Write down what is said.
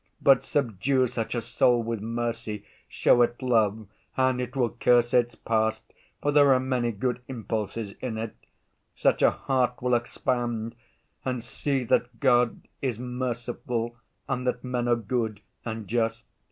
But subdue such a soul with mercy, show it love, and it will curse its past, for there are many good impulses in it. Such a heart will expand and see that God is merciful and that men are good and just.